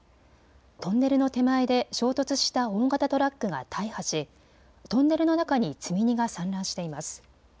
トンネルの手前で衝突した大型トラックが大破しトンネルの中に積み荷が散乱しています。